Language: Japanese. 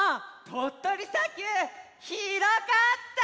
とっとりさきゅうひろかった！